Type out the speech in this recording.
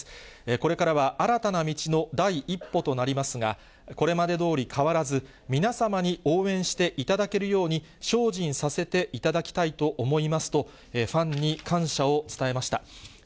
これからは新たな道の第一歩となりますが、これまでどおり変わらず、皆様に応援していただけるように精進させていただきたいと思いますと、ファンに感謝を伝えました。